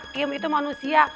kiem itu manusia